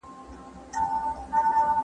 لکه د ونې ریښې چې په ځمکه کې پټې وي.